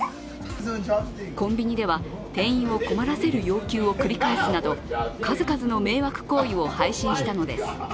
コンビニでは店員を困らせる要求を繰り返すなど数々の迷惑行為を配信したのです。